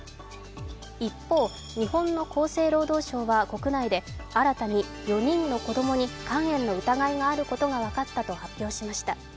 一方、日本の厚生労働省は国内で新たに４人の子供に肝炎の疑いがあることが分かったと発表しました。